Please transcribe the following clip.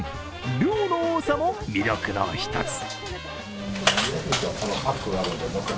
量の多さも魅力の一つ。